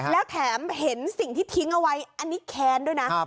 แล้วแถมเห็นสิ่งที่ทิ้งเอาไว้อันนี้แค้นด้วยนะ